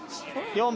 ４番。